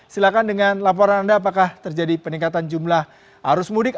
silahkan dengan laporan anda apakah terjadi peningkatan jumlah arus mudik